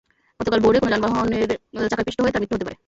গতকাল ভোরে কোনো যানবাহনের চাকায় পিষ্ট হয়ে তাঁর মৃত্যু হতে পারে।